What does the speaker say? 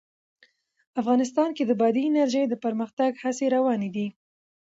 افغانستان کې د بادي انرژي د پرمختګ هڅې روانې دي.